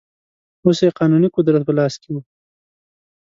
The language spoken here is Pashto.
اوس یې قانوني قدرت په لاس کې و.